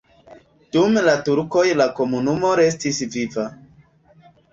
Dum la turkoj la komunumo restis viva.